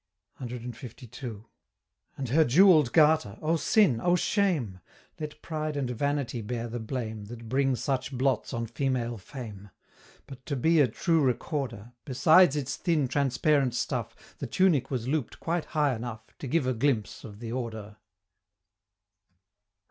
CLII. And her jewell'd Garter! Oh Sin, oh Shame! Let Pride and Vanity bear the blame, That bring such blots on female fame! But to be a true recorder, Besides its thin transparent stuff, The tunic was loop'd quite high enough To give a glimpse of the Order!